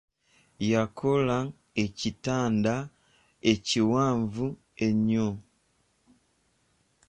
Yakola ekitanda ekiwanvu ennyo.